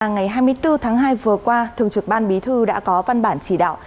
ngày hai mươi bốn tháng hai vừa qua thường trực ban bí thư đã có văn bản chỉ đạo